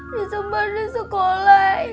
disembar di sekolah